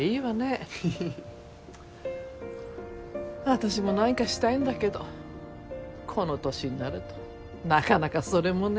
私も何かしたいんだけどこの年になるとなかなかそれもね。